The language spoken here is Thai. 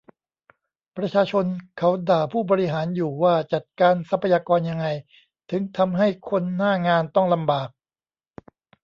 ประชาชนเขาด่าผู้บริหารอยู่ ว่าจัดการทรัพยากรยังไง ถึงทำให้คนหน้างานต้องลำบาก